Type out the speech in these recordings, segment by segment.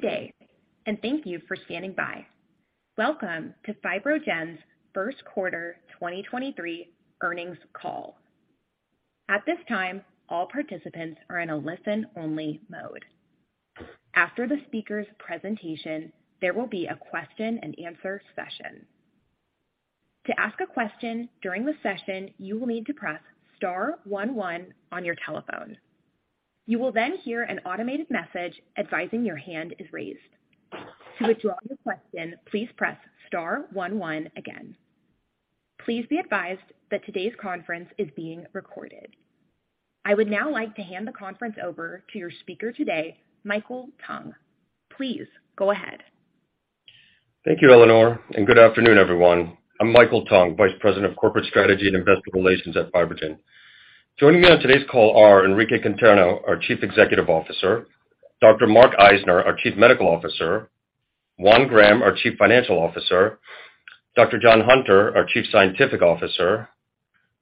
Good day, thank you for standing by. Welcome to FibroGen's first quarter 2023 earnings call. At this time, all participants are in a listen-only mode. After the speaker's presentation, there will be a question and answer session. To ask a question during the session, you will need to press star one one on your telephone. You will hear an automated message advising your hand is raised. To withdraw your question, please press star one one again. Please be advised that today's conference is being recorded. I would now like to hand the conference over to your speaker today, Michael Tung. Please go ahead. Thank you, Eleanor. Good afternoon, everyone. I'm Michael Tung, Vice President of Corporate Strategy and Investor Relations at FibroGen. Joining me on today's call are Enrique Conterno, our Chief Executive Officer, Dr. Mark Eisner, our Chief Medical Officer, Juan Graham, our Chief Financial Officer, Dr. John Hunter, our Chief Scientific Officer,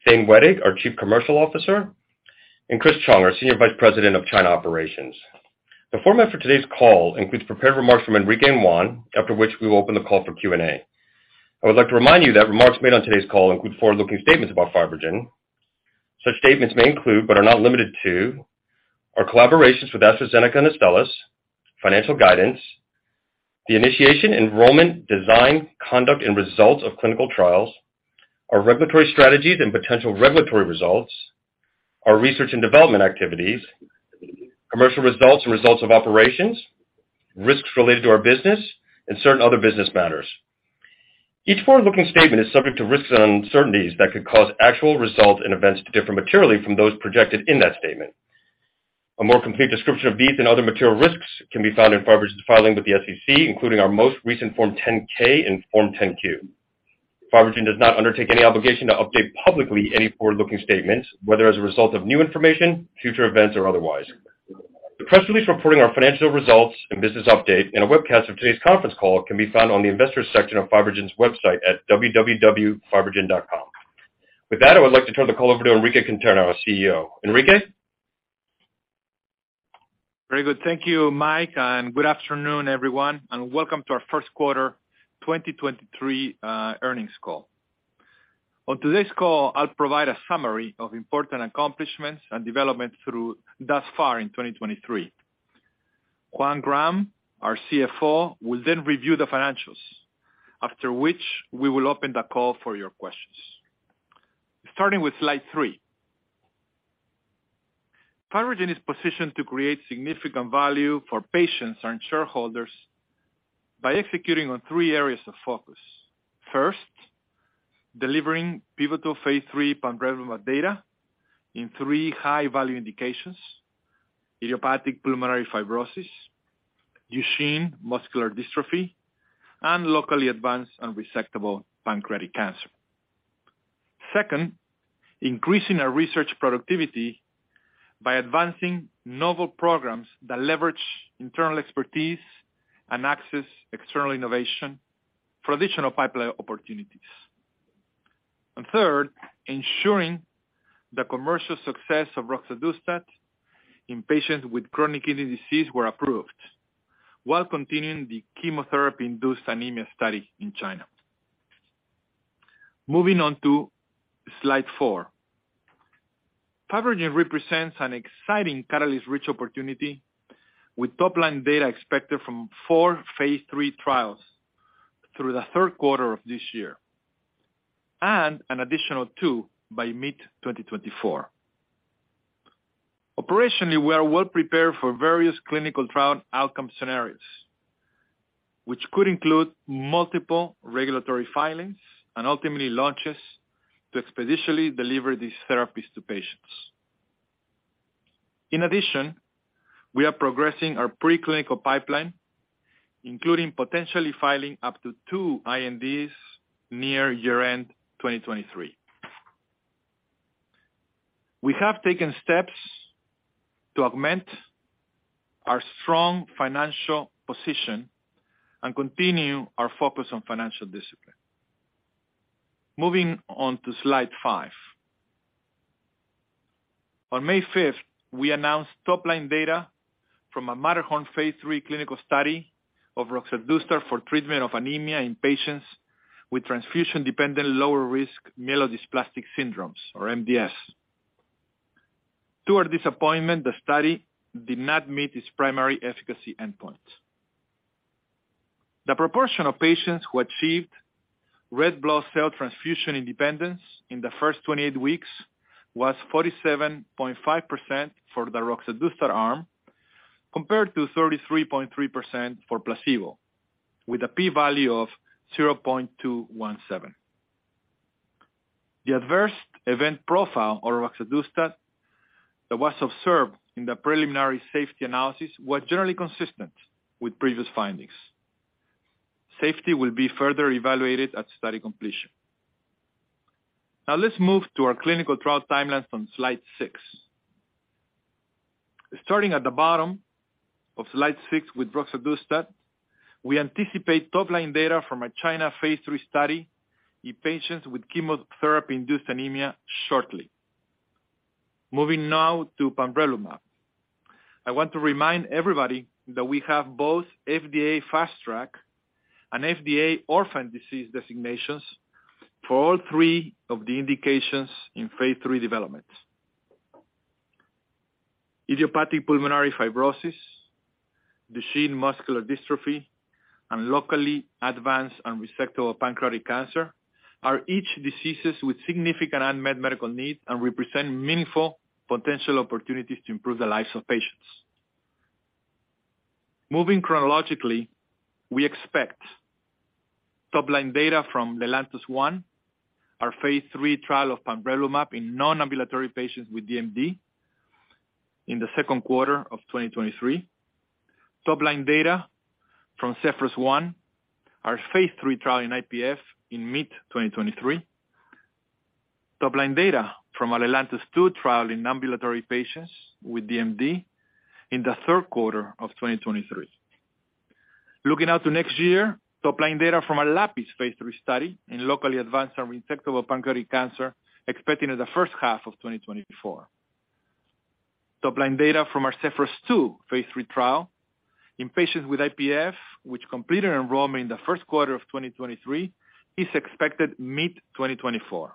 Thane Wettig, our Chief Commercial Officer, and Chris Chung, our Senior Vice President of China Operations. The format for today's call includes prepared remarks from Enrique and Juan, after which we will open the call for Q&A. I would like to remind you that remarks made on today's call include forward-looking statements about FibroGen. Such statements may include, but are not limited to, our collaborations with AstraZeneca and Astellas, financial guidance, the initiation, enrollment, design, conduct, and results of clinical trials, our regulatory strategies and potential regulatory results, our research and development activities, commercial results and results of operations, risks related to our business, and certain other business matters. Each forward-looking statement is subject to risks and uncertainties that could cause actual results and events to differ materially from those projected in that statement. A more complete description of these and other material risks can be found in FibroGen's filing with the SEC, including our most recent Form 10-K and Form 10-Q. FibroGen does not undertake any obligation to update publicly any forward-looking statements, whether as a result of new information, future events, or otherwise. The press release reporting our financial results and business update in a webcast of today's conference call can be found on the investors section of FibroGen's website at www.fibrogen.com. With that, I would like to turn the call over to Enrique Conterno, our CEO. Enrique? Very good. Thank you, Mike, good afternoon, everyone, and welcome to our first quarter 2023 earnings call. On today's call, I'll provide a summary of important accomplishments and developments thus far in 2023. Juan Graham, our CFO, will review the financials, after which we will open the call for your questions. Starting with slide three. FibroGen is positioned to create significant value for patients and shareholders by executing on three areas of focus. First, delivering pivotal phase III pamrevlumab data in three high-value indications: idiopathic pulmonary fibrosis, Duchenne muscular dystrophy, and locally advanced unresectable pancreatic cancer. Second, increasing our research productivity by advancing novel programs that leverage internal expertise and access external innovation for additional pipeline opportunities. Third, ensuring the commercial success of roxadustat in patients with chronic kidney disease were approved, while continuing the chemotherapy-induced anemia study in China. Moving on to slide four. FibroGen represents an exciting catalyst-rich opportunity with top-line data expected from four phase III trials through the third quarter of this year, and an additional two by mid-2024. Operationally, we are well prepared for various clinical trial outcome scenarios, which could include multiple regulatory filings and ultimately launches to expeditiously deliver these therapies to patients. In addition, we are progressing our preclinical pipeline, including potentially filing up to two INDs near year-end 2023. We have taken steps to augment our strong financial position and continue our focus on financial discipline. Moving on to slide five. On May 5th, we announced top-line data from a MATTERHORN phase III clinical study of roxadustat for treatment of anemia in patients with transfusion-dependent lower risk myelodysplastic syndromes or MDS. To our disappointment, the study did not meet its primary efficacy endpoint. The proportion of patients who achieved red blood cell transfusion independence in the first 28 weeks was 47.5% for the roxadustat arm, compared to 33.3% for placebo, with a P value of 0.217. The adverse event profile of roxadustat that was observed in the preliminary safety analysis was generally consistent with previous findings. Safety will be further evaluated at study completion. Let's move to our clinical trial timelines on slide 6. Starting at the bottom of slide six with roxadustat, we anticipate top-line data from a China phase III study in patients with chemotherapy-induced anemia shortly. Moving now to pamrevlumab. I want to remind everybody that we have both FDA Fast Track and FDA Orphan Drug designations for all three of the indications in phase III development. Idiopathic pulmonary fibrosis, Duchenne muscular dystrophy, and locally advanced unresectable pancreatic cancer are each diseases with significant unmet medical needs and represent meaningful potential opportunities to improve the lives of patients. Moving chronologically, we expect top-line data from the LELANTOS-1, our phase III trial of pamrevlumab in non-ambulatory patients with DMD in the 2nd quarter of 2023. Top-line data from ZEPHYRUS-1, our phase III trial in IPF in mid-2023. Top-line data from our LELANTOS-2 trial in ambulatory patients with DMD in the 3rd quarter of 2023. Looking out to next year, top-line data from our LAPIS phase III study in locally advanced unresectable pancreatic cancer expecting in the 1st half of 2024. Top-line data from our ZEPHYRUS-2 phase III trial in patients with IPF, which completed enrollment in the 1st quarter of 2023, is expected mid-2024.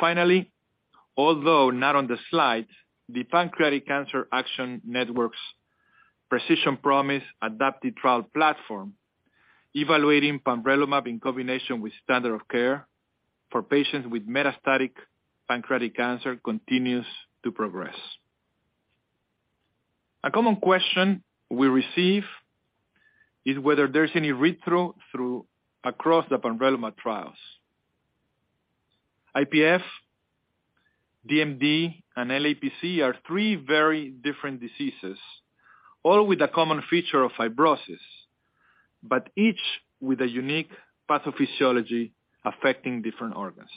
Finally, although not on the slide, the Pancreatic Cancer Action Network's Precision Promise adaptive trial platform evaluating pamrevlumab in combination with standard of care for patients with metastatic pancreatic cancer continues to progress. A common question we receive is whether there's any read-through across the pamrevlumab trials. IPF, DMD, and LAPC are three very different diseases, all with a common feature of fibrosis, but each with a unique pathophysiology affecting different organs.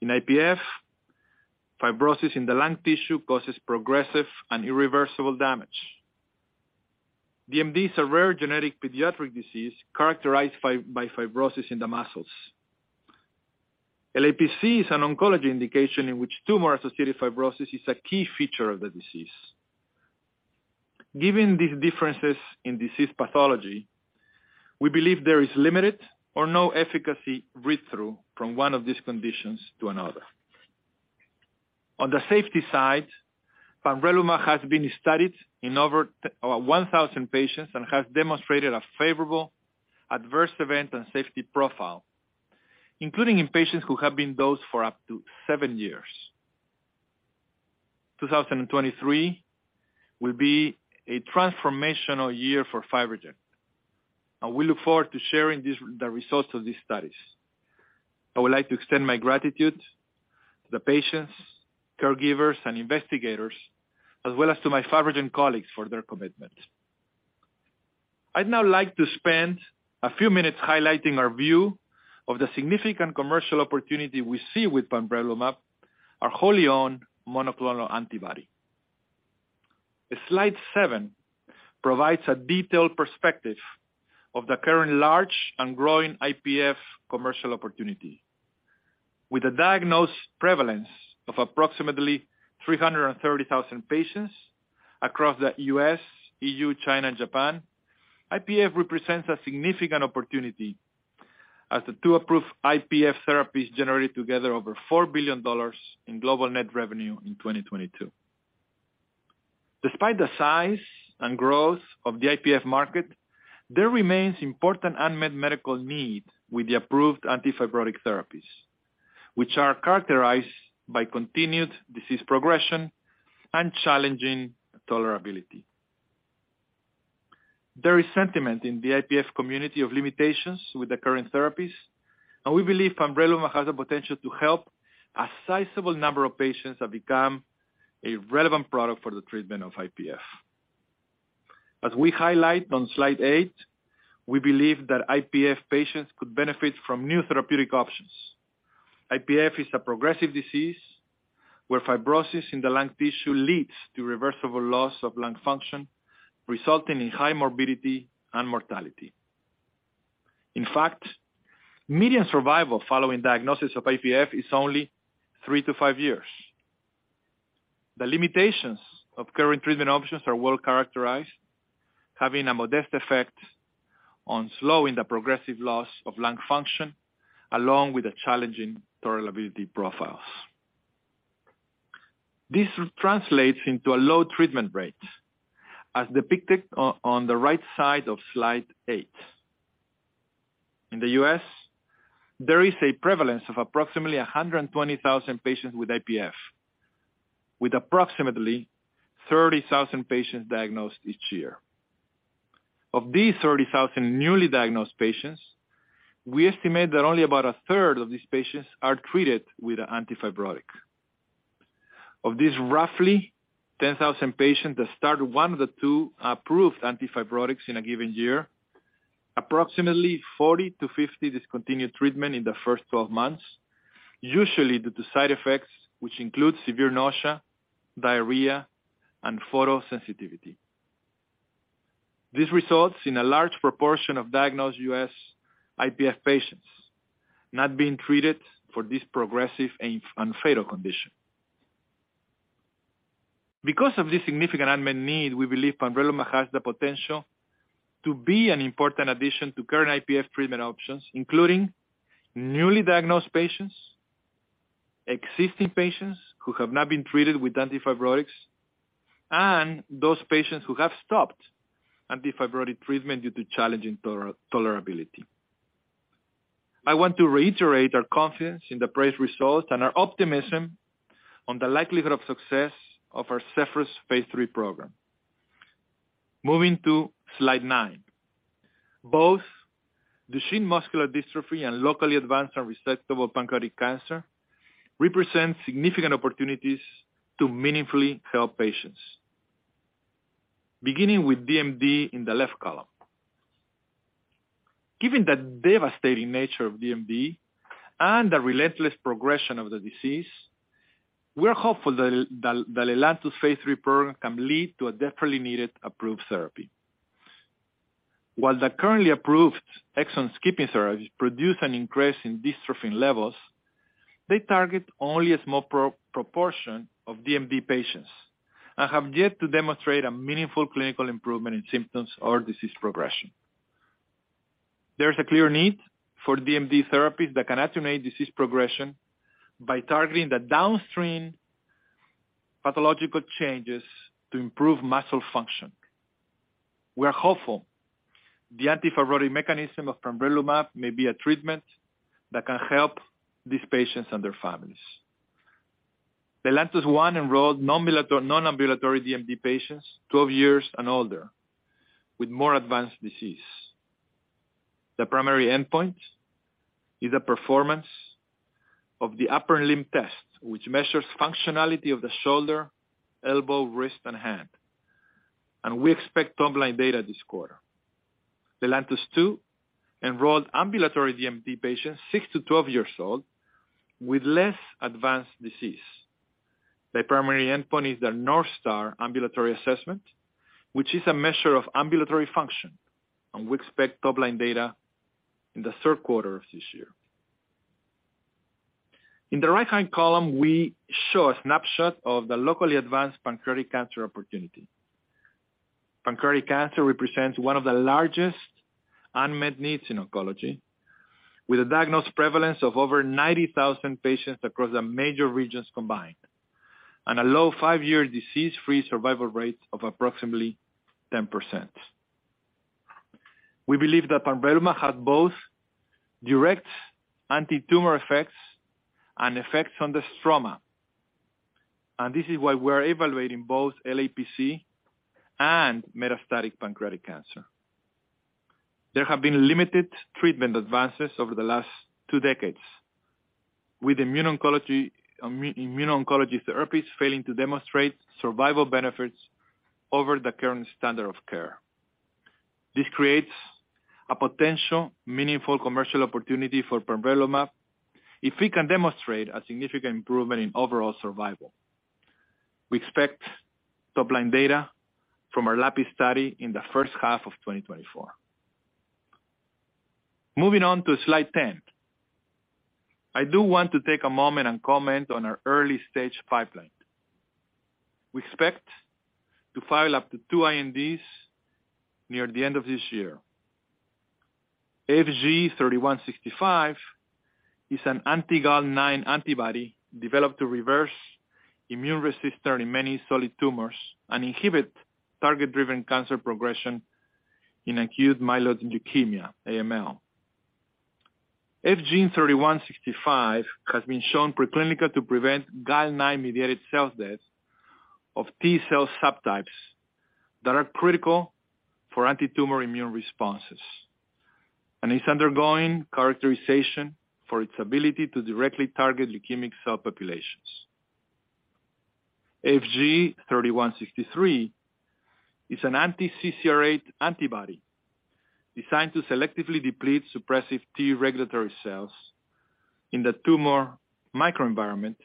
In IPF, fibrosis in the lung tissue causes progressive and irreversible damage. DMD is a rare genetic pediatric disease characterized by fibrosis in the muscles. LAPC is an oncology indication in which tumor-associated fibrosis is a key feature of the disease. Given these differences in disease pathology, we believe there is limited or no efficacy read-through from one of these conditions to another. On the safety side, pamrevlumab has been studied in over 1,000 patients and has demonstrated a favorable adverse event and safety profile, including in patients who have been dosed for up to seven years. 2023 will be a transformational year for FibroGen, and we look forward to sharing the results of these studies. I would like to extend my gratitude to the patients, caregivers, and investigators, as well as to my FibroGen colleagues for their commitment. I'd now like to spend a few minutes highlighting our view of the significant commercial opportunity we see with pamrevlumab, our wholly-owned monoclonal antibody. The slide 7 provides a detailed perspective of the current large and growing IPF commercial opportunity. With a diagnosed prevalence of approximately 330,000 patients across the U.S., EU, China, and Japan, IPF represents a significant opportunity as the two approved IPF therapies generated together over $4 billion in global net revenue in 2022. Despite the size and growth of the IPF market, there remains important unmet medical needs with the approved antifibrotic therapies, which are characterized by continued disease progression and challenging tolerability. There is sentiment in the IPF community of limitations with the current therapies. We believe pamrevlumab has the potential to help a sizable number of patients have become a relevant product for the treatment of IPF. As we highlight on slide eight, we believe that IPF patients could benefit from new therapeutic options. IPF is a progressive disease where fibrosis in the lung tissue leads to irreversible loss of lung function, resulting in high morbidity and mortality. In fact, median survival following diagnosis of IPF is only three to five years. The limitations of current treatment options are well characterized, having a modest effect on slowing the progressive loss of lung function along with the challenging tolerability profiles. This translates into a low treatment rate as depicted on the right side of slide eight. In the U.S., there is a prevalence of approximately 120,000 patients with IPF, with approximately 30,000 patients diagnosed each year. Of these 30,000 newly diagnosed patients, we estimate that only about a third of these patients are treated with an antifibrotic. Of these, roughly 10,000 patients that start one of the two approved antifibrotics in a given year, approximately 40-50 discontinue treatment in the first 12 months, usually due to side effects, which include severe nausea, diarrhea, and photosensitivity. This results in a large proportion of diagnosed U.S. IPF patients not being treated for this progressive and fatal condition. Of this significant unmet need, we believe pamrevlumab has the potential to be an important addition to current IPF treatment options, including newly diagnosed patients, existing patients who have not been treated with antifibrotics, and those patients who have stopped antifibrotic treatment due to challenging tolerability. I want to reiterate our confidence in the PRIDE results and our optimism on the likelihood of success of our ZEPHYRUS Phase III program. Moving to Slide nine. Both Duchenne muscular dystrophy and locally advanced unresectable pancreatic cancer represent significant opportunities to meaningfully help patients. Beginning with DMD in the left column. Given the devastating nature of DMD and the relentless progression of the disease, we are hopeful that LELANTOS phase III program can lead to a desperately needed approved therapy. While the currently approved exon-skipping therapies produce an increase in dystrophin levels, they target only a small proportion of DMD patients and have yet to demonstrate a meaningful clinical improvement in symptoms or disease progression. There is a clear need for DMD therapies that can attenuate disease progression by targeting the downstream pathological changes to improve muscle function. We are hopeful the antifibrotic mechanism of pamrevlumab may be a treatment that can help these patients and their families. LELANTOS-1 enrolled non-ambulatory DMD patients 12 years and older with more advanced disease. The primary endpoint is the Performance of the Upper Limb, which measures functionality of the shoulder, elbow, wrist, and hand. We expect top-line data this quarter. LELANTOS-2 enrolled ambulatory DMD patients six to 12 years old with less advanced disease. The primary endpoint is the North Star Ambulatory Assessment, which is a measure of ambulatory function, and we expect top-line data in the third quarter of this year. In the right-hand column, we show a snapshot of the locally advanced pancreatic cancer opportunity. Pancreatic cancer represents one of the largest unmet needs in oncology, with a diagnosed prevalence of over 90,000 patients across the major regions combined, and a low 5-year disease-free survival rate of approximately 10%. We believe that pamrevlumab has both direct antitumor effects and effects on the stroma, and this is why we're evaluating both LAPC and metastatic pancreatic cancer. There have been limited treatment advances over the last two decades, with immuno-oncology therapies failing to demonstrate survival benefits over the current standard of care. This creates a potential meaningful commercial opportunity for pamrevlumab if we can demonstrate a significant improvement in overall survival. We expect top-line data from our LAPIS study in the first half of 2024. Moving on to Slide 10. I do want to take a moment and comment on our early-stage pipeline. We expect to file up to two INDs near the end of this year. FG-3165 is an anti-GAL9 antibody developed to reverse immune resistance in many solid tumors and inhibit target-driven cancer progression in acute myeloid leukemia, AML. FG-3165 has been shown preclinically to prevent GAL9-mediated cell death of T cell subtypes that are critical for antitumor immune responses, and is undergoing characterization for its ability to directly target leukemic cell populations. FG-3163 is an anti-CCR8 antibody designed to selectively deplete suppressive T regulatory cells in the tumor microenvironment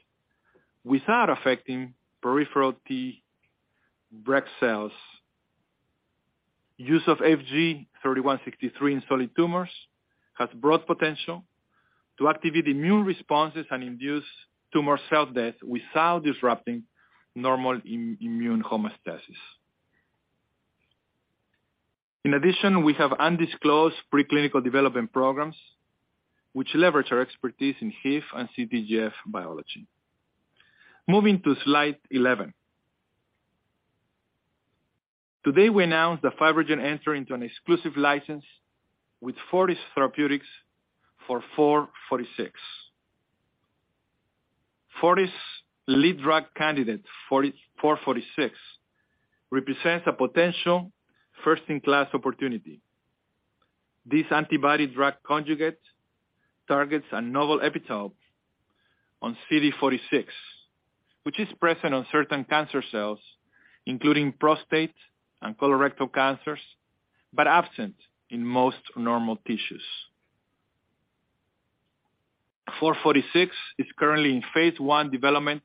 without affecting peripheral T reg cells. Use of FG-3163 in solid tumors has broad potential to activate immune responses and induce tumor cell death without disrupting normal immune homeostasis. In addition, we have undisclosed preclinical development programs which leverage our expertise in HIF and CTGF biology. Moving to Slide 11. Today, we announced that FibroGen entered into an exclusive license with Fortis Therapeutics for FOR46. Fortis lead drug candidate FOR46 represents a potential first-in-class opportunity. This antibody drug conjugate targets a novel epitope on CD46, which is present on certain cancer cells, including prostate and colorectal cancers, but absent in most normal tissues. FOR46 is currently in phase I development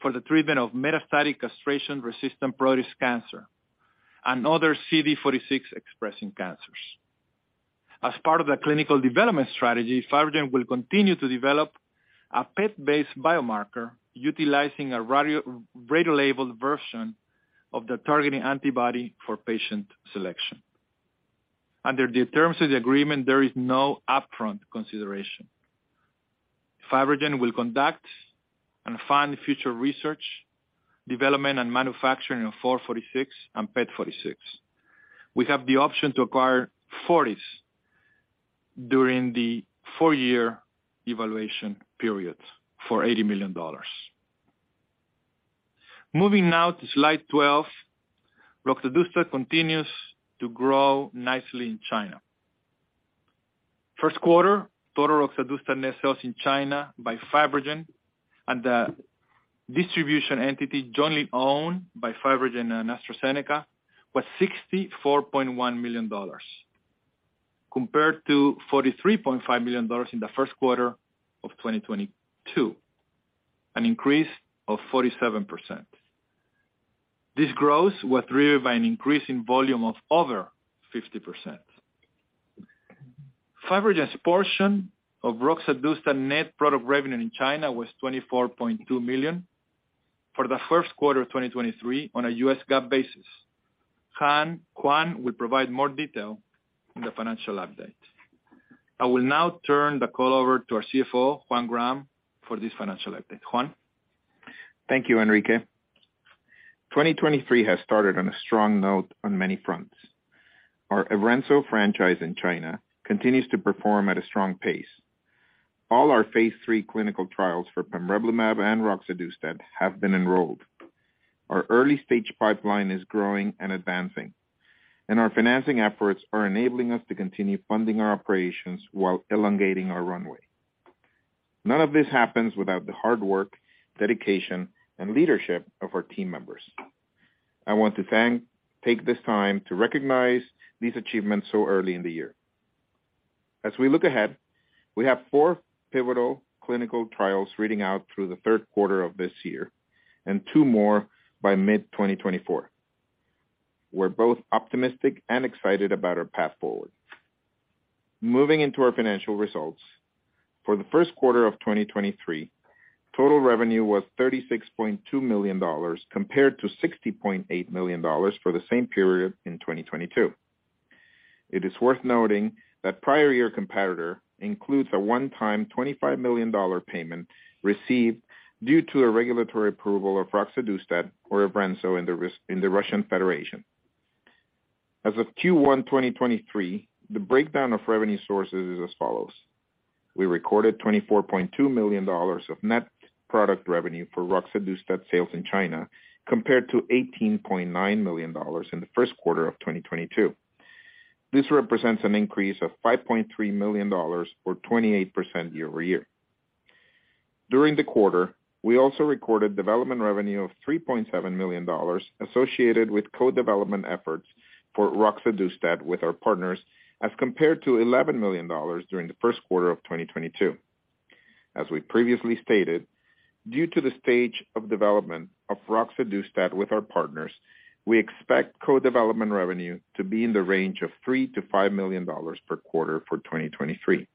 for the treatment of metastatic castration-resistant prostate cancer and other CD46 expressing cancers. As part of the clinical development strategy, FibroGen will continue to develop a PET-based biomarker utilizing a radiolabeled version of the targeting antibody for patient selection. Under the terms of the agreement, there is no upfront consideration. FibroGen will conduct and fund future research, development, and manufacturing of four forty-six and PET forty-six. We have the option to acquire forty during the four-year evaluation period for $80 million. Moving now to slide 12, roxadustat continues to grow nicely in China. First quarter, total roxadustat net sales in China by FibroGen and the distribution entity jointly owned by FibroGen and AstraZeneca was $64.1 million, compared to $43.5 million in the first quarter of 2022, an increase of 47%. This growth was driven by an increase in volume of over 50%. FibroGen's portion of roxadustat net product revenue in China was $24.2 million for the first quarter of 2023 on a US GAAP basis. Juan Graham will provide more detail on the financial update. I will now turn the call over to our CFO, Juan Graham, for this financial update. Juan. Thank you, Enrique. 2023 has started on a strong note on many fronts. Our Evrenzo franchise in China continues to perform at a strong pace. All our phase III clinical trials for pamrevlumab and roxadustat have been enrolled. Our early-stage pipeline is growing and advancing, our financing efforts are enabling us to continue funding our operations while elongating our runway. None of this happens without the hard work, dedication, and leadership of our team members. I want to take this time to recognize these achievements so early in the year. As we look ahead, we have four pivotal clinical trials reading out through the third quarter of this year and two more by mid-2024. We're both optimistic and excited about our path forward. Moving into our financial results, for the first quarter of 2023, total revenue was $36.2 million compared to $60.8 million for the same period in 2022. It is worth noting that prior year competitor includes a one-time $25 million payment received due to a regulatory approval of roxadustat or Evrenzo in the Russian Federation. As of Q1 2023, the breakdown of revenue sources is as follows: We recorded $24.2 million of net product revenue for roxadustat sales in China, compared to $18.9 million in the first quarter of 2022. This represents an increase of $5.3 million or 28% year-over-year. During the quarter, we also recorded development revenue of $3.7 million associated with co-development efforts for roxadustat with our partners, as compared to $11 million during the first quarter of 2022. We previously stated, due to the stage of development of roxadustat with our partners, we expect co-development revenue to be in the range of $3 million-$5 million per quarter for 2023.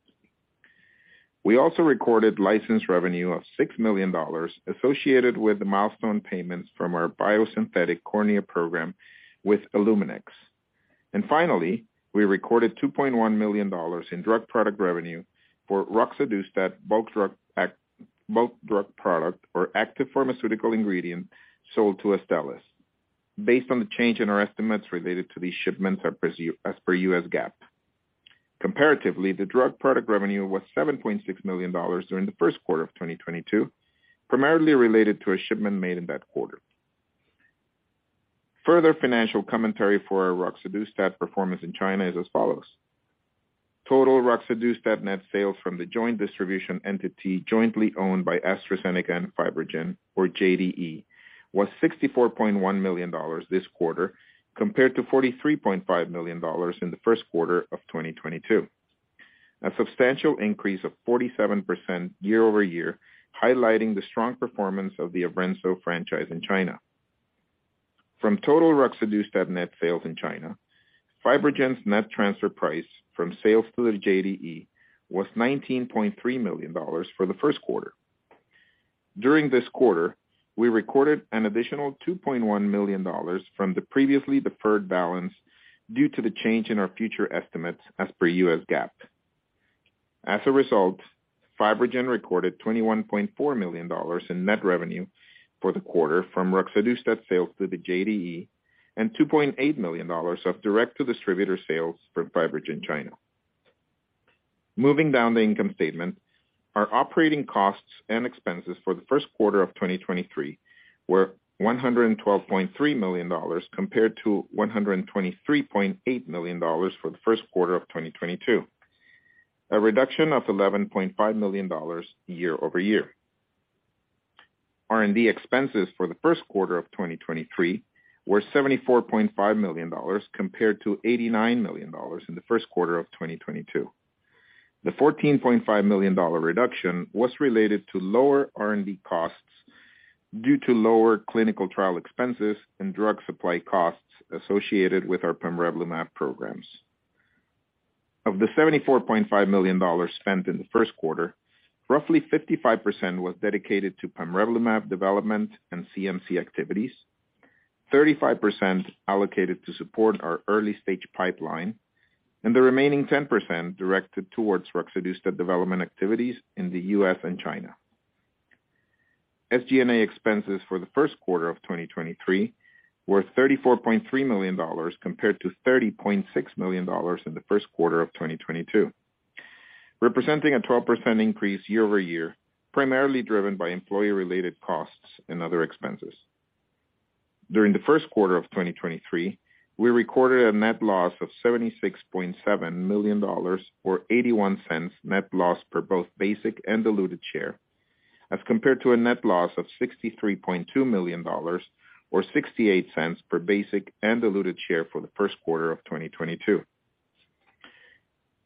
We also recorded license revenue of $6 million associated with the milestone payments from our biosynthetic cornea program with Eluminex Biosciences. Finally, we recorded $2.1 million in drug product revenue for roxadustat bulk drug product or active pharmaceutical ingredient sold to Astellas based on the change in our estimates related to these shipments as per US GAAP. Comparatively, the drug product revenue was $7.6 million during the first quarter of 2022, primarily related to a shipment made in that quarter. Further financial commentary for our roxadustat performance in China is as follows: Total roxadustat net sales from the joint distribution entity jointly owned by AstraZeneca and FibroGen, or JDE, was $64.1 million this quarter compared to $43.5 million in the first quarter of 2022. A substantial increase of 47% year-over-year, highlighting the strong performance of the Evrenzo franchise in China. From total roxadustat net sales in China, FibroGen's net transfer price from sales to the JDE was $19.3 million for the first quarter. During this quarter, we recorded an additional $2.1 million from the previously deferred balance due to the change in our future estimates as per US GAAP. FibroGen recorded $21.4 million in net revenue for the quarter from roxadustat sales to the JDE and $2.8 million of direct-to-distributor sales from FibroGen China. Moving down the income statement, our operating costs and expenses for the first quarter of 2023 were $112.3 million compared to $123.8 million for the first quarter of 2022. A reduction of $11.5 million year-over-year. R&D expenses for the first quarter of 2023 were $74.5 million compared to $89 million in the first quarter of 2022. The $14.5 million reduction was related to lower R&D costs due to lower clinical trial expenses and drug supply costs associated with our pamrevlumab programs. Of the $74.5 million spent in the first quarter, roughly 55% was dedicated to pamrevlumab development and CMC activities, 35% allocated to support our early-stage pipeline, and the remaining 10% directed towards roxadustat development activities in the US and China. SG&A expenses for the first quarter of 2023 were $34.3 million compared to $30.6 million in the first quarter of 2022, representing a 12% increase year-over-year, primarily driven by employee-related costs and other expenses. During the first quarter of 2023, we recorded a net loss of $76.7 million, or $0.81 net loss per both basic and diluted share, as compared to a net loss of $63.2 million or $0.68 per basic and diluted share for the first quarter of 2022.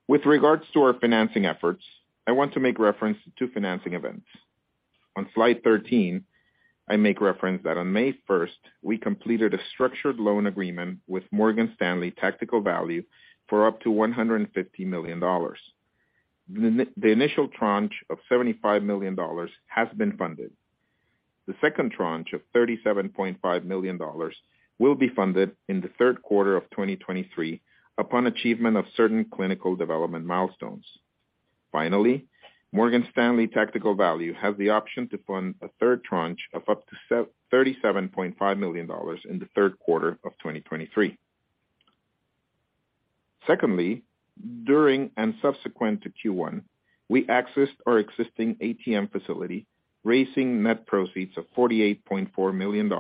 With regards to our financing efforts, I want to make reference to two financing events. On slide 13, I make reference that on May first, we completed a structured loan agreement with Morgan Stanley Tactical Value for up to $150 million. The initial tranche of $75 million has been funded. The second tranche of $37.5 million will be funded in the third quarter of 2023 upon achievement of certain clinical development milestones. Morgan Stanley Tactical Value has the option to fund a third tranche of up to $37.5 million in the third quarter of 2023. During and subsequent to Q1, we accessed our existing ATM facility, raising net proceeds of $48.4 million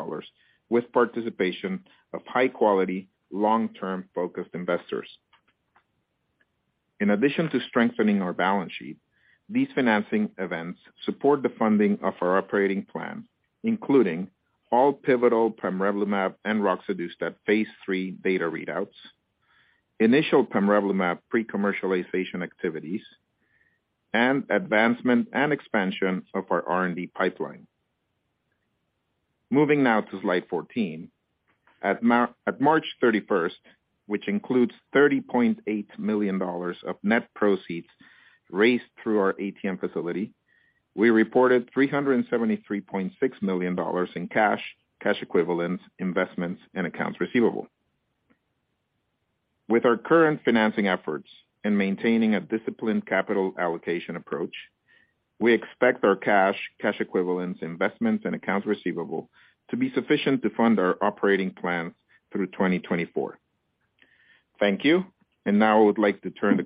with participation of high quality, long-term focused investors. Strengthening our balance sheet, these financing events support the funding of our operating plan, including all pivotal pamrevlumab and roxadustat phase III data readouts, initial pamrevlumab pre-commercialization activities, and advancement and expansion of our R&D pipeline. Slide 14. At March 31st, which includes $30.8 million of net proceeds raised through our ATM facility, we reported $373.6 million in cash equivalents, investments, and accounts receivable. With our current financing efforts and maintaining a disciplined capital allocation approach, we expect our cash equivalents, investments, and accounts receivable to be sufficient to fund our operating plans through 2024. Thank you. Now I would like to turn the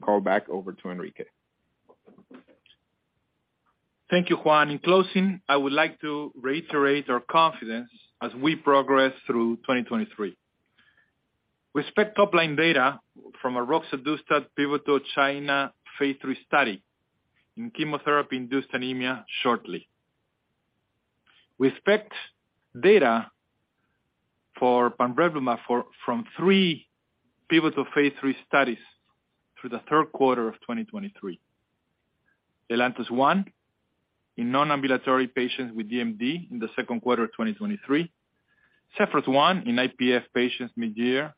call back over to Enrique. Thank you, Juan. In closing, I would like to reiterate our confidence as we progress through 2023. We expect top-line data from a roxadustat pivotal China phase III study in chemotherapy-induced anemia shortly. We expect data for pamrevlumab from three pivotal phase III studies through the third quarter of 2023. LELANTOS-1 in non-ambulatory patients with DMD in the second quarter of 2023, ZEPHYRUS-1 in IPF patients midyear,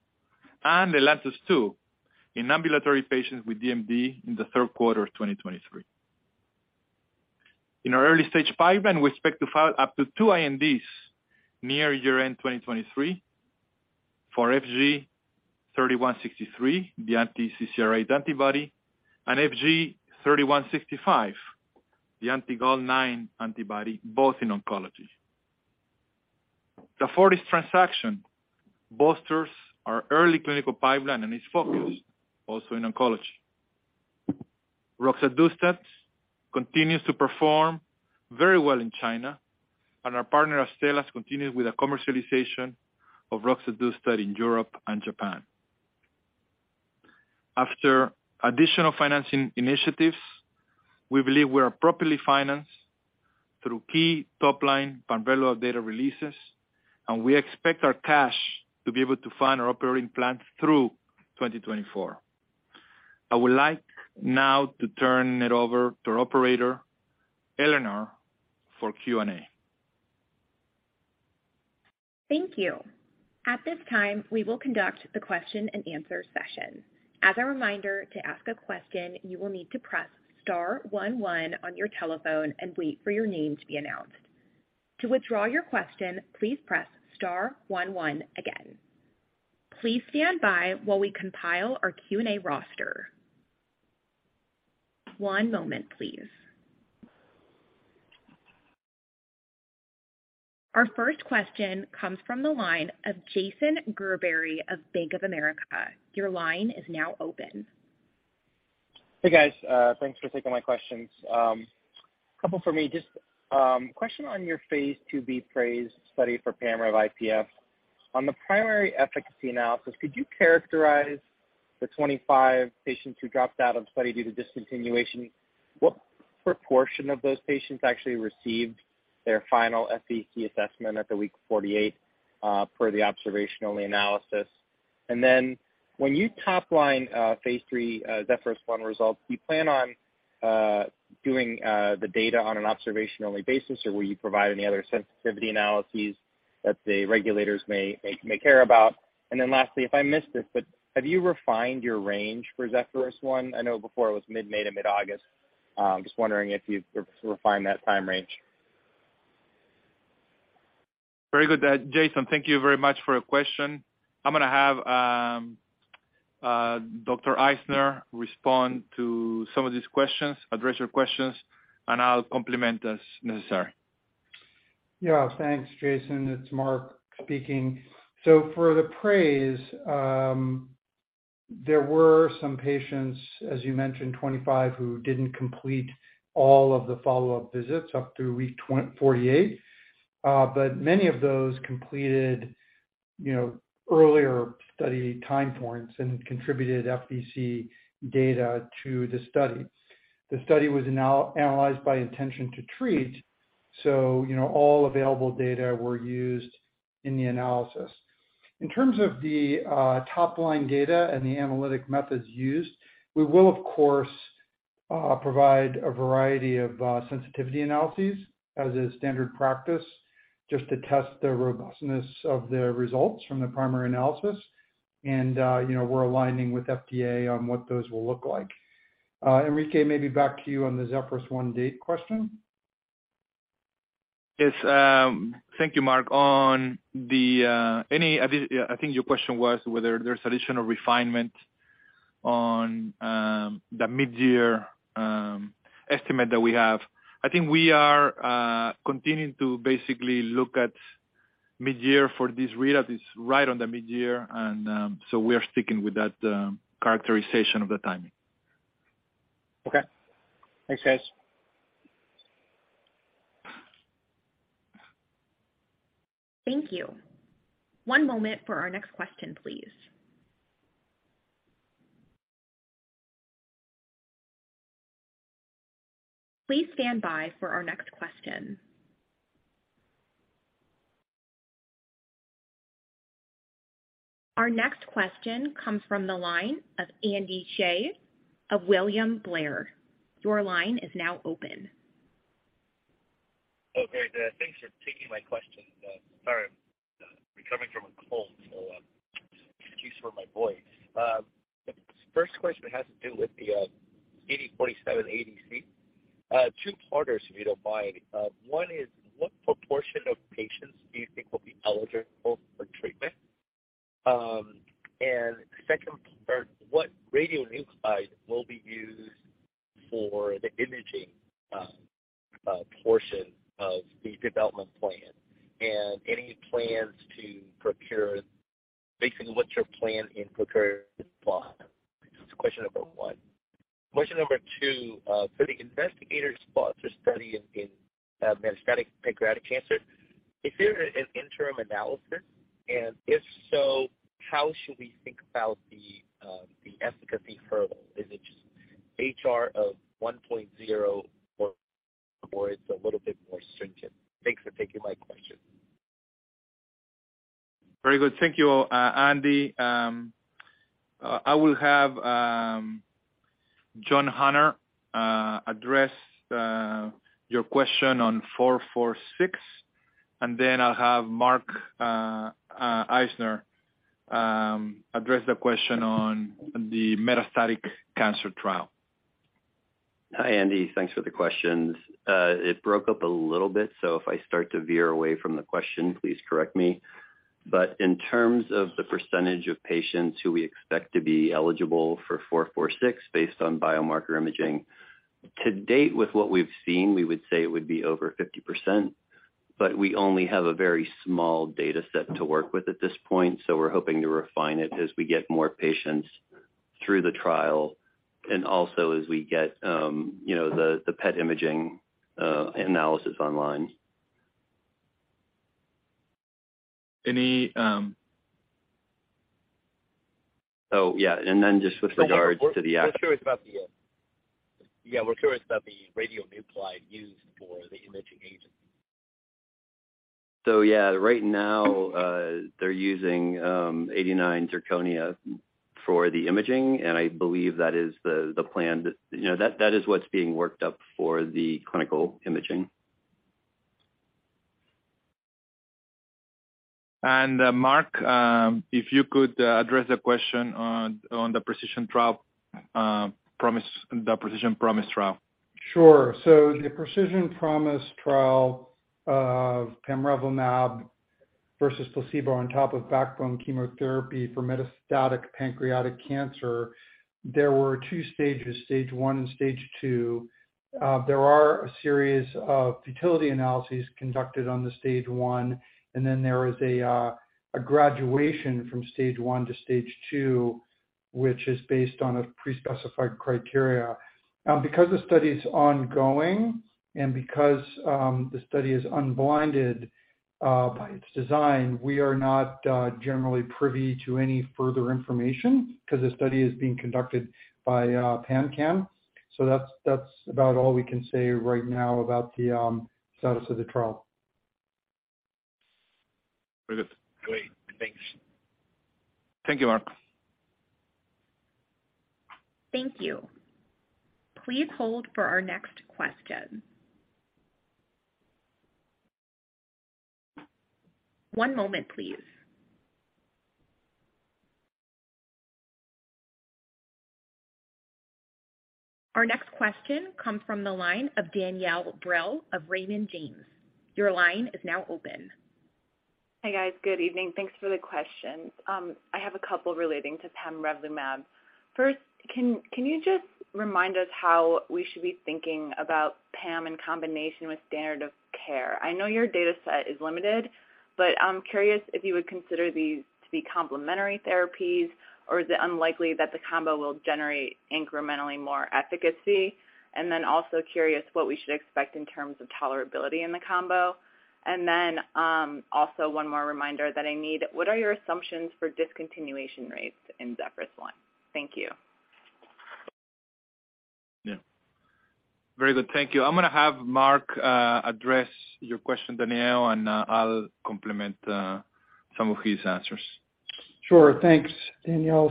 and LELANTOS-2 in ambulatory patients with DMD in the third quarter of 2023. In our early stage pipeline, we expect to file up to 2 INDs near year-end 2023 for FG-3163, the anti-CCR8 antibody, and FG-3165, the anti-Gal9 antibody, both in oncology. The Fortis transaction bolsters our early clinical pipeline and its focus also in oncology. Roxadustat continues to perform very well in China, and our partner Astellas continues with the commercialization of roxadustat in Europe and Japan. After additional financing initiatives, we believe we are properly financed through key top-line pamrevlumab data releases, and we expect our cash to be able to fund our operating plans through 2024. I would like now to turn it over to our operator, Eleanor, for Q&A. Thank you. At this time, we will conduct the question-and-answer session. As a reminder, to ask a question, you will need to press star 11 on your telephone and wait for your name to be announced. To withdraw your question, please press star 11 again. Please stand by while we compile our Q&A roster. One moment, please. Our first question comes from the line of Jason Gerberry of Bank of America. Your line is now open. Hey, guys. Thanks for taking my questions. A couple for me. Just, question on your phase II-B PRAISE study for pamrevlumab IPF. On the primary efficacy analysis, could you characterize the 25 patients who dropped out of the study due to discontinuation? What proportion of those patients actually received their final FVC assessment at the week 48, per the observational analysis? When you top-line, phase III, Zephyrus I results, do you plan on doing the data on an observation-only basis, or will you provide any other sensitivity analyses that the regulators may care about? Lastly, if I missed this, but have you refined your range for Zephyrus I? I know before it was mid-May to mid-August. just wondering if you've re-refined that time range? Very good, Jason, thank you very much for your question. I'm gonna have Dr. Eisner respond to some of these questions, address your questions, and I'll complement as necessary. Yeah. Thanks, Jason. It's Mark speaking. For the PRAISE, there were some patients, as you mentioned, 25, who didn't complete all of the follow-up visits up through week 48. Many of those completed, you know, earlier study time points and contributed FVC data to the study. The study was analyzed by intention to treat, you know, all available data were used in the analysis. In terms of the top-line data and the analytic methods used, we will, of course, provide a variety of sensitivity analyses as a standard practice just to test the robustness of the results from the primary analysis. You know, we're aligning with FDA on what those will look like. Enrique, maybe back to you on the ZEPHYRUS-1 date question. Yes. Thank you, Mark. On the, I think your question was whether there's additional refinement on the mid-year estimate that we have. I think we are continuing to basically look at mid-year for this readout. It's right on the mid-year and We are sticking with that characterization of the timing. Okay. Thanks, guys. Thank you. One moment for our next question, please. Please stand by for our next question. Our next question comes from the line of Andy Hsieh of William Blair. Your line is now open. Oh, great. Thanks for taking my question. Sorry, I'm recovering from a cold, so excuse for my voice. First question has to do with the FG-3246 ADC. Two parts, if you don't mind. One is, what proportion of patients do you think will be eligible for treatment? Second part, what radionuclide will be used for the imaging portion of the development plan? Any plans to procure basically, what's your plan in procuring the plot? That's question number one. Question number two, for the investigator sponsor study in metastatic pancreatic cancer, is there an interim analysis? If so, how should we think about the efficacy hurdle? Is it just HR of 1.0 or it's a little bit more stringent? Thanks for taking my question. Very good. Thank you, Andy. I will have John Hunter address your question on FOR46, and then I'll have Mark Eisner address the question on the metastatic cancer trial. Hi, Andy. Thanks for the questions. It broke up a little bit, if I start to veer away from the question, please correct me. In terms of the percentage of patients who we expect to be eligible for FOR46 based on biomarker imaging, to date with what we've seen, we would say it would be over 50%, we only have a very small data set to work with at this point. We're hoping to refine it as we get more patients through the trial and also as we get, you know, the PET imaging analysis online. Any. Oh, yeah. just with regards to. Yeah, we're curious about the radionuclide used for the imaging agent. Yeah, right now, they're using 89 zirconia for the imaging, and I believe that is the plan. You know, that is what's being worked up for the clinical imaging. Mark, if you could address the question on the Precision Promise trial. Sure. The Precision Promise trial of pamrevlumab versus placebo on top of backbone chemotherapy for metastatic pancreatic cancer, there were two stages, stage 1 and stage 2. There are a series of futility analyses conducted on the stage 1, and then there is a graduation from stage 1 to stage 2. Which is based on a pre-specified criteria. Now, because the study is ongoing and because the study is unblinded by its design, we are not generally privy to any further information because the study is being conducted by PanCAN. That's about all we can say right now about the status of the trial. Very good. Great. Thanks. Thank you, Mark. Thank you. Please hold for our next question. One moment, please. Our next question comes from the line of Danielle Brill of Raymond James. Your line is now open. Hi, guys. Good evening. Thanks for the questions. I have a couple relating to pamrevlumab. Can you just remind us how we should be thinking about Pam in combination with standard of care? I know your data set is limited, but I'm curious if you would consider these to be complementary therapies, or is it unlikely that the combo will generate incrementally more efficacy? Also curious what we should expect in terms of tolerability in the combo. Also one more reminder that I need. What are your assumptions for discontinuation rates in ZEPHYRUS-1? Thank you. Yeah. Very good. Thank you. I'm gonna have Mark address your question, Danielle, and I'll complement some of his answers. Thanks, Danielle.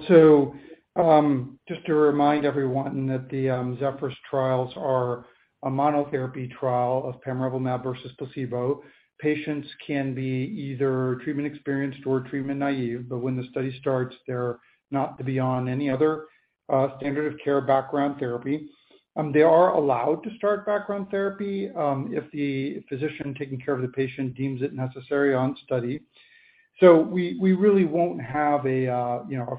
Just to remind everyone that the ZEPHYRUS trials are a monotherapy trial of pamrevlumab versus placebo. Patients can be either treatment experienced or treatment naive, but when the study starts, they're not to be on any other standard of care background therapy. They are allowed to start background therapy if the physician taking care of the patient deems it necessary on study. We really won't have a, you know, a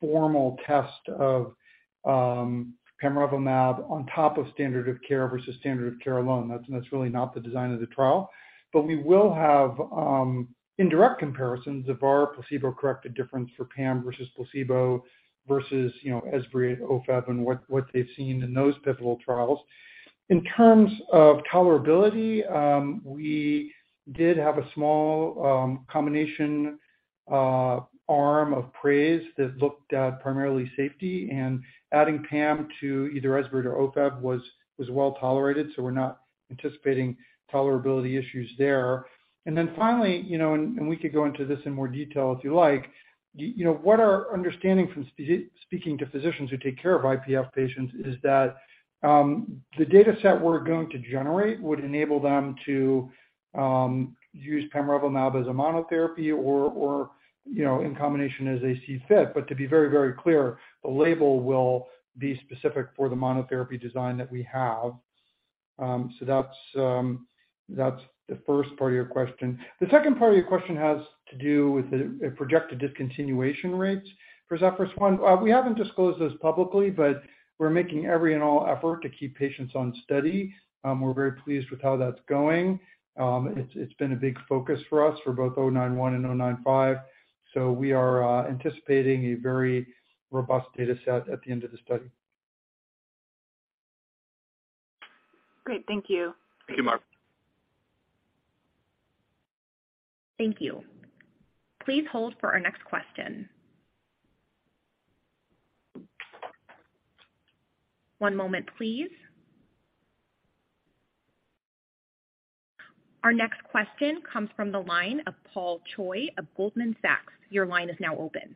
formal test of pamrevlumab on top of standard of care versus standard of care alone. That's really not the design of the trial. We will have indirect comparisons of our placebo-corrected difference for Pam versus placebo versus, you know, Esbriet, OFEV and what they've seen in those pivotal trials. In terms of tolerability, we did have a small combination arm of PRAISE that looked at primarily safety, and adding Pam to either Esbriet or OFEV was well tolerated, so we're not anticipating tolerability issues there. Finally, you know, and we could go into this in more detail if you like, you know, what our understanding from speaking to physicians who take care of IPF patients is that the dataset we're going to generate would enable them to use pamrevlumab as a monotherapy or, you know, in combination as they see fit. To be very clear, the label will be specific for the monotherapy design that we have. That's, that's the first part of your question. The second part of your question has to do with the projected discontinuation rates for ZEPHYRUS-1. We haven't disclosed this publicly, we're making every and all effort to keep patients on study. We're very pleased with how that's going. It's been a big focus for us for both 091 and 095. We are anticipating a very robust dataset at the end of the study. Great. Thank you. Thank you, Mark. Thank you. Please hold for our next question. One moment, please. Our next question comes from the line of Paul Choi of Goldman Sachs. Your line is now open.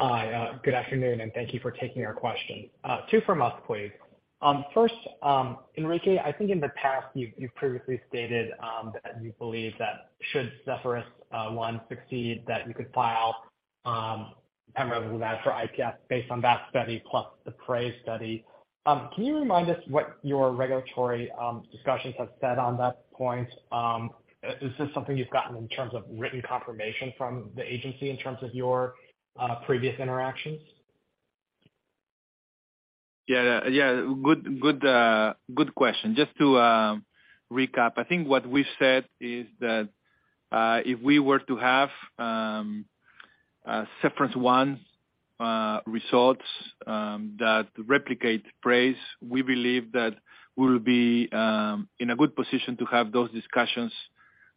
Hi. Good afternoon, and thank you for taking our question. Two from us, please. First, Enrique, I think in the past you've previously stated that you believe that should ZEPHYRUS 1 succeed, that you could file pamrevlumab for IPF based on that study plus the PRAISE study. Can you remind us what your regulatory discussions have said on that point? Is this something you've gotten in terms of written confirmation from the agency in terms of your previous interactions? Yeah. Good question. Just to recap, I think what we said is that if we were to have ZEPHYRUS-1 results that replicate PRAISE, we believe that we'll be in a good position to have those discussions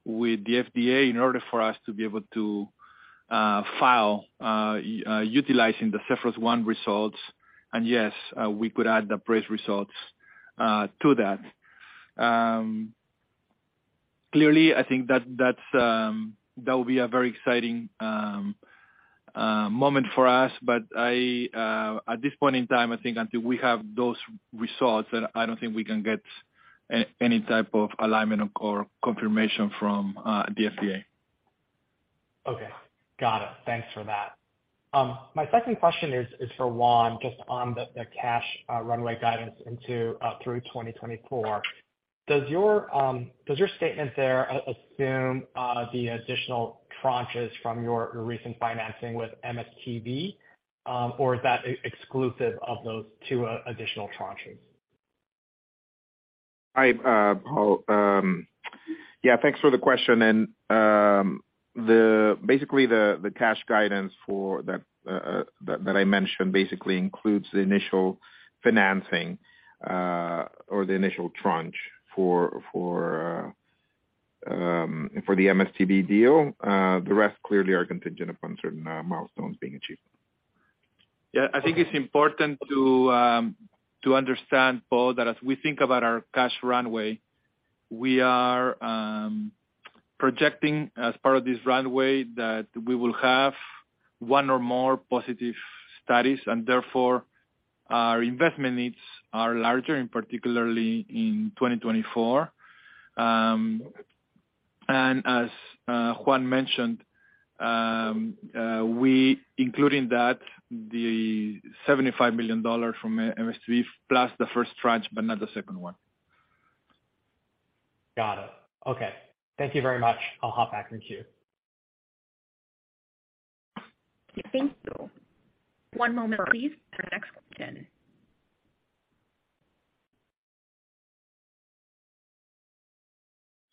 with the FDA in order for us to be able to file utilizing the ZEPHYRUS-1 results. Yes, we could add the PRAISE results to that. Clearly, I think that that's that will be a very exciting moment for us. I, at this point in time, I think until we have those results that I don't think we can get any type of alignment or confirmation from the FDA. Okay. Got it. Thanks for that. My second question is for Juan, just on the cash runway guidance into through 2024. Does your statement there assume the additional tranches from your recent financing with MSTV, or is that exclusive of those two additional tranches? Hi, Paul. Yeah, thanks for the question. Basically the cash guidance for that I mentioned basically includes the initial financing, or the initial tranche for the MSTV deal. The rest clearly are contingent upon certain milestones being achieved. Yeah. I think it's important to understand, Paul, that as we think about our cash runway, we are projecting as part of this runway that we will have one or more positive studies, and therefore our investment needs are larger, and particularly in 2024. As Juan mentioned, we including that the $75 million from MSTV plus the first tranche, but not the second one. Got it. Okay. Thank you very much. I'll hop back in queue. Thank you. One moment please for the next question.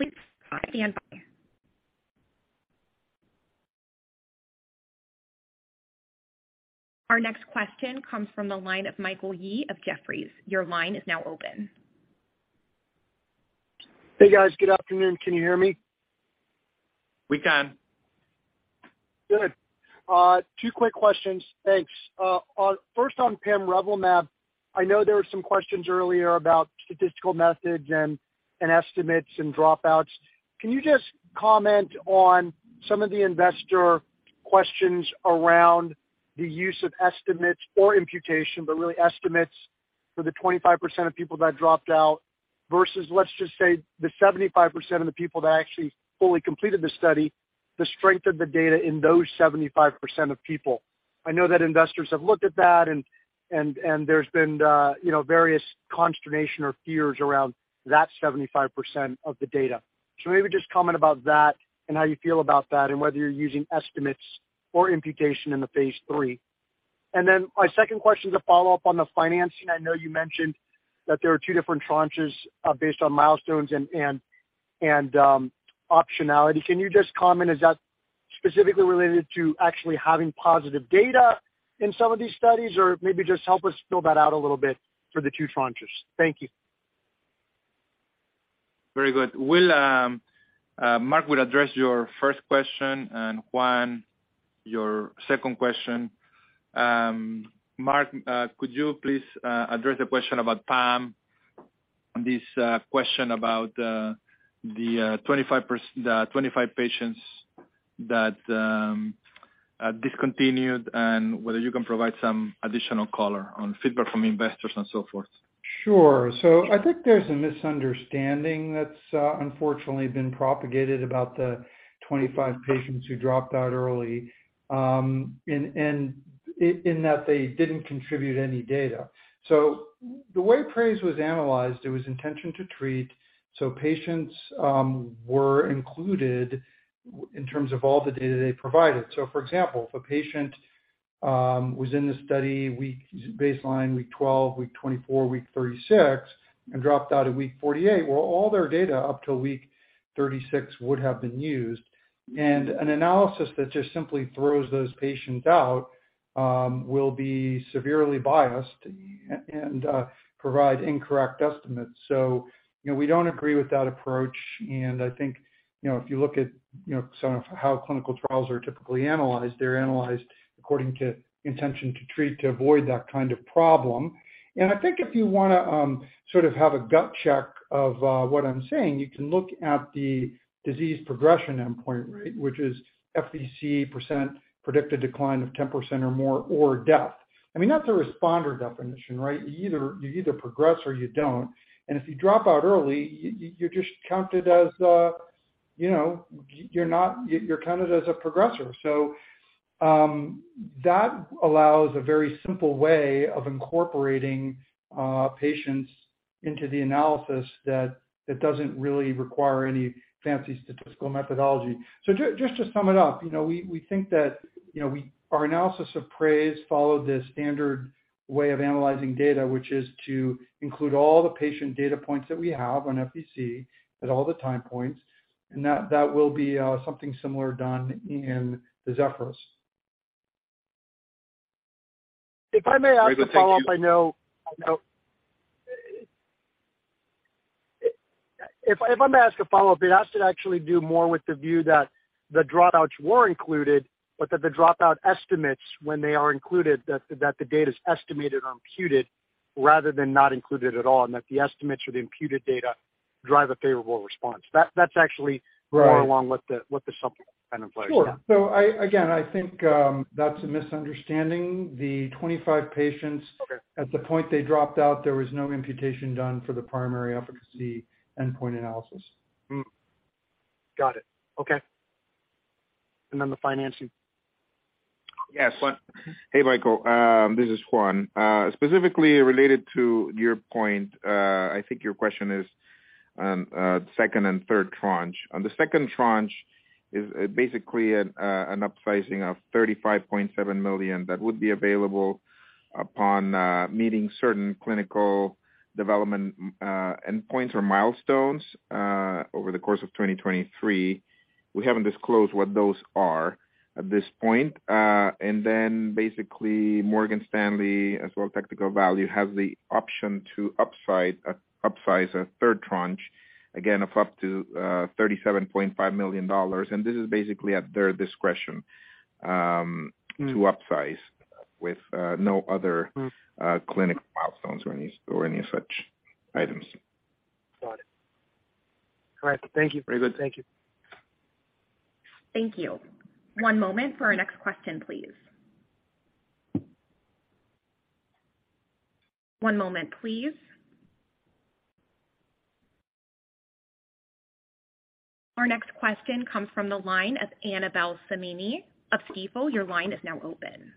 Please stand by. Our next question comes from the line of Michael Yee of Jefferies. Your line is now open. Hey, guys. Good afternoon. Can you hear me? We can. Good. Two quick questions. Thanks. First on pamrevlumab. I know there were some questions earlier about statistical methods and estimates and dropouts. Can you just comment on some of the investor questions around the use of estimates or imputation, but really estimates for the 25% of people that dropped out versus, let's just say, the 75% of the people that actually fully completed the study, the strength of the data in those 75% of people? I know that investors have looked at that and, and there's been, you know, various consternation or fears around that 75% of the data. Maybe just comment about that and how you feel about that, and whether you're using estimates or imputation in the phase III. My second question is a follow-up on the financing. I know you mentioned that there are two different tranches, based on milestones and optionality. Can you just comment, is that specifically related to actually having positive data in some of these studies? Or maybe just help us fill that out a little bit for the two tranches. Thank you. Very good. We'll Mark will address your first question, and Juan, your second question. Mark, could you please address the question about PAM, this question about the 25 patients that discontinued and whether you can provide some additional color on feedback from investors and so forth. Sure. I think there's a misunderstanding that's unfortunately been propagated about the 25 patients who dropped out early, and in that they didn't contribute any data. The way PRAISE was analyzed, it was intention to treat, so patients were included in terms of all the data they provided. For example, if a patient was in the study week baseline, week 12, week 24, week 36, and dropped out at week 48, well, all their data up to week 36 would have been used. An analysis that just simply throws those patients out will be severely biased and provide incorrect estimates. You know, we don't agree with that approach. I think, you know, if you look at, you know, some of how clinical trials are typically analyzed, they're analyzed according to intention to treat to avoid that kind of problem. I think if you wanna sort of have a gut check of what I'm saying, you can look at the disease progression endpoint, right? Which is FVC % predicted decline of 10% or more, or death. I mean, that's a responder definition, right? You either progress or you don't. If you drop out early, you're just counted as, you know, you're counted as a progressor. That allows a very simple way of incorporating patients into the analysis that doesn't really require any fancy statistical methodology. Just to sum it up, you know, we think that, you know, our analysis of PRAISE followed the standard way of analyzing data, which is to include all the patient data points that we have on FVC at all the time points, and that will be something similar done in the ZEPHYRUS. If I may ask a follow-up, I know- Very good. Thank you. If I may ask a follow-up, it has to actually do more with the view that the dropouts were included, but that the dropout estimates when they are included, that the data's estimated or imputed rather than not included at all, and that the estimates or the imputed data drive a favorable response. That's actually Right. More along what the assumption is in place. Yeah. Sure. Again, I think that's a misunderstanding. The 25 patients. Okay. At the point they dropped out, there was no imputation done for the primary efficacy endpoint analysis. Got it. Okay. Then the financing. Yes. Juan. Hey, Michael, this is Juan. Specifically related to your point, I think your question is second and third tranche. On the second tranche. Is basically an upsizing of $35.7 million that would be available upon meeting certain clinical development endpoints or milestones over the course of 2023. We haven't disclosed what those are at this point. Then basically Morgan Stanley as well as Tactical Value have the option to upsize a third tranche, again, of up to $37.5 million. This is basically at their discretion. To upsize with. clinical milestones or any such items. Got it. All right. Thank you. Very good. Thank you. Thank you. One moment for our next question, please. One moment, please. Our next question comes from the line of Annabel Samimy of Stifel. Your line is now open.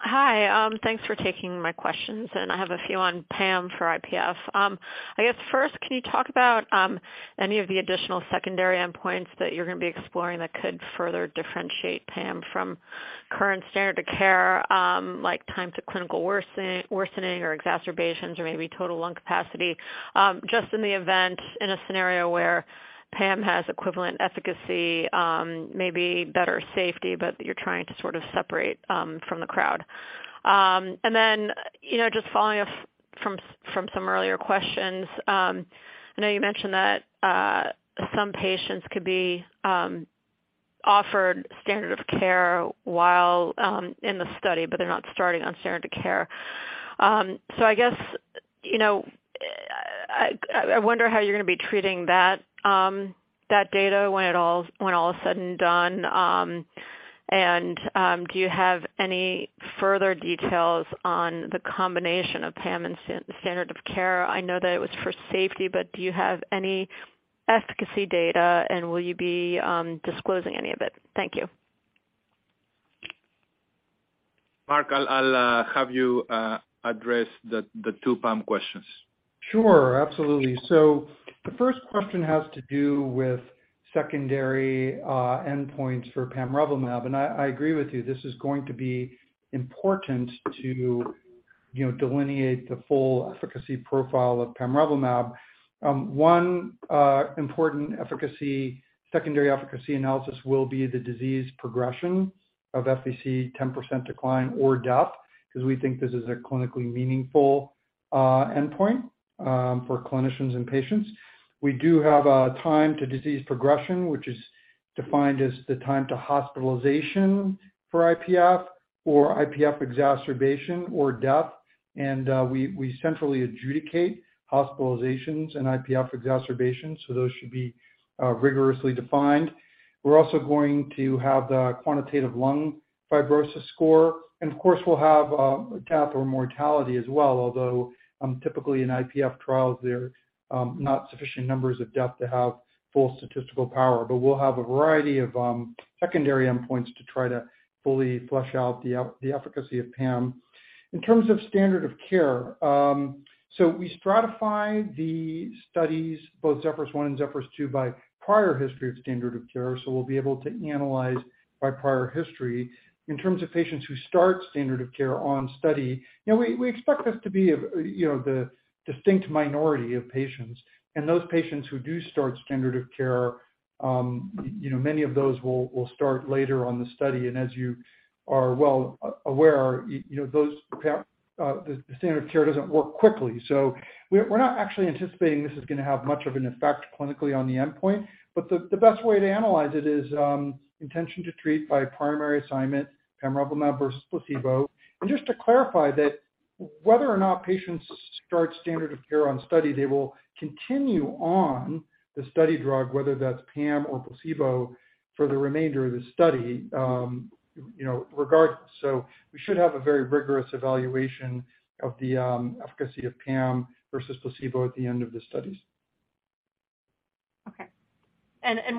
Hi. Thanks for taking my questions. I have a few on PAM for IPF. I guess first, can you talk about any of the additional secondary endpoints that you're gonna be exploring that could further differentiate PAM from current standard of care, like time to clinical worsening or exacerbations or maybe total lung capacity, just in the event in a scenario where PAM has equivalent efficacy, maybe better safety, but you're trying to sort of separate from the crowd? You know, just following up from some earlier questions. I know you mentioned that some patients could be offered standard of care while in the study, but they're not starting on standard of care. I guess, you know, I wonder how you're gonna be treating that data when all is said and done. Do you have any further details on the combination of PAM and standard of care? I know that it was for safety, but do you have any efficacy data, and will you be, disclosing any of it? Thank you. Mark, I'll have you address the two PAM questions. Sure. Absolutely. The first question has to do with secondary endpoints for pamrevlumab. I agree with you. This is going to be important to, you know, delineate the full efficacy profile of pamrevlumab. One important efficacy, secondary efficacy analysis will be the disease progression of FVC 10% decline or death, because we think this is a clinically meaningful endpoint for clinicians and patients. We do have a time to disease progression, which is defined as the time to hospitalization for IPF or IPF exacerbation or death. We centrally adjudicate hospitalizations and IPF exacerbations, so those should be rigorously defined. We're also going to have the Quantitative Lung Fibrosis (QLF) score. Of course, we'll have death or mortality as well, although typically in IPF trials there are not sufficient numbers of death to have full statistical power. We'll have a variety of secondary endpoints to try to fully flesh out the efficacy of PAM. In terms of standard of care, we stratify the studies, both ZEPHYRUS-1 and ZEPHYRUS-2, by prior history of standard of care. We'll be able to analyze by prior history. In terms of patients who start standard of care on study, you know, we expect this to be a, you know, the distinct minority of patients. Those patients who do start standard of care, you know, many of those will start later on the study. As you are well aware, you know, the standard of care doesn't work quickly. We're not actually anticipating this is gonna have much of an effect clinically on the endpoint. The best way to analyze it is intention to treat by primary assignment pamrevlumab versus placebo. Just to clarify that whether or not patients start standard of care on study, they will continue on the study drug, whether that's PAM or placebo for the remainder of the study, you know, regardless. We should have a very rigorous evaluation of the efficacy of PAM versus placebo at the end of the studies. Okay.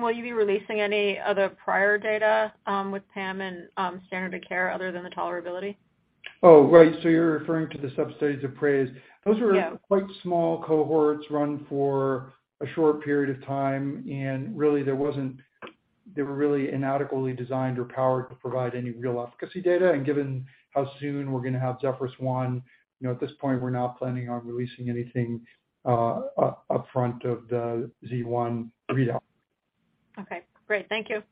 Will you be releasing any other prior data, with PAM and standard of care other than the tolerability? Right. You're referring to the substudies of PRAISE. Yeah. Those were quite small cohorts run for a short period of time, really there wasn't, they were really inadequately designed or powered to provide any real efficacy data. Given how soon we're gonna have ZEPHYRUS-1, you know, at this point, we're not planning on releasing anything upfront of the Z1 readout. Okay, great. Thank you.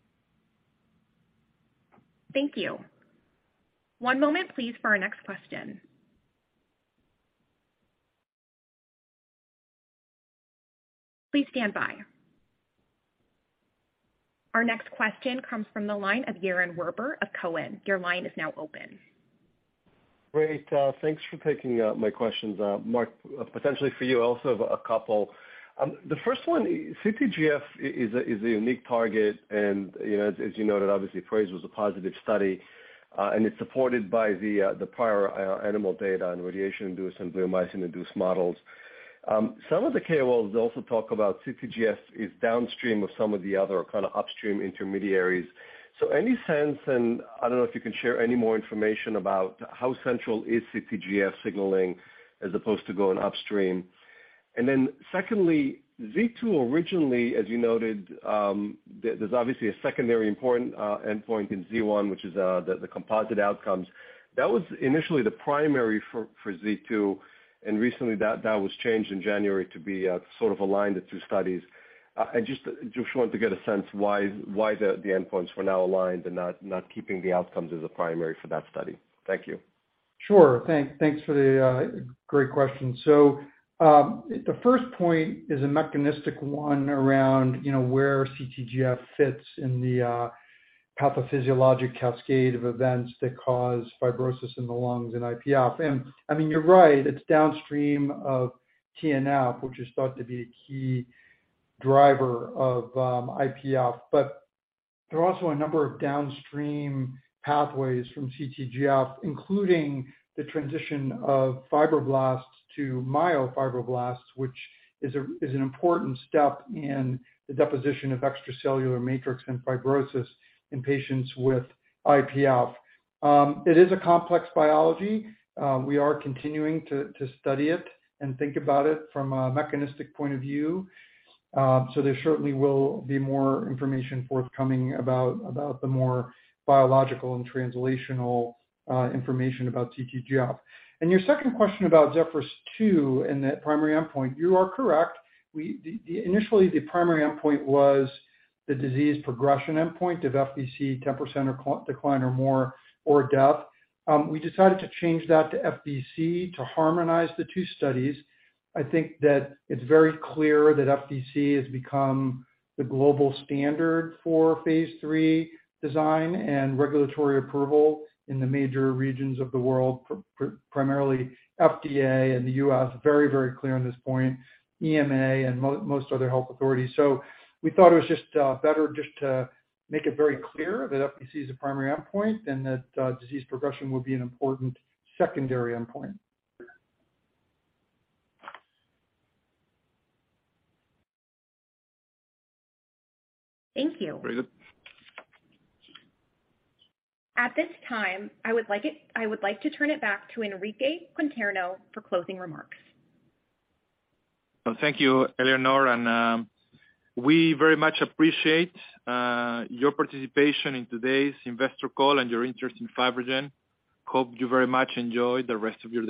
Thank you. One moment, please, for our next question. Please stand by. Our next question comes from the line of Yaron Werber of Cowen. Your line is now open. Great. thanks for taking my questions. Mark, potentially for you, I also have a couple. The first one, CTGF is a, is a unique target and, you know, as you noted, obviously PRAISE was a positive study, and it's supported by the prior animal data in radiation-induced and bleomycin-induced models. Some of the KOLs also talk about CTGF is downstream of some of the other kind of upstream intermediaries. Any sense, and I don't know if you can share any more information about how central is CTGF signaling as opposed to going upstream? Then secondly, Z two originally, as you noted, there's obviously a secondary important endpoint in Z one, which is the composite outcomes. That was initially the primary for Z2, recently that was changed in January to be sort of aligned the two studies. I just wanted to get a sense why the endpoints were now aligned and not keeping the outcomes as a primary for that study. Thank you. Sure. Thanks for the great question. The first point is a mechanistic one around, you know, where CTGF fits in the pathophysiologic cascade of events that cause fibrosis in the lungs in IPF. I mean, you're right, it's downstream of TNF, which is thought to be a key driver of IPF. There are also a number of downstream pathways from CTGF, including the transition of fibroblasts to myofibroblasts, which is an important step in the deposition of extracellular matrix and fibrosis in patients with IPF. It is a complex biology. We are continuing to study it and think about it from a mechanistic point of view. There certainly will be more information forthcoming about the more biological and translational information about CTGF. Your second question about ZEPHYRUS-2 and that primary endpoint, you are correct. Initially, the primary endpoint was the disease progression endpoint of FVC 10% or decline or more, or death. We decided to change that to FVC to harmonize the two studies. I think that it's very clear that FVC has become the global standard for phase III design and regulatory approval in the major regions of the world, primarily FDA and the U.S. Very, very clear on this point. EMA and most other health authorities. We thought it was just better just to make it very clear that FVC is a primary endpoint and that disease progression will be an important secondary endpoint. Thank you. Very good. At this time, I would like to turn it back to Enrique Conterno for closing remarks. Well, thank you, Eleanor, we very much appreciate your participation in today's investor call and your interest in FibroGen. Hope you very much enjoy the rest of your day.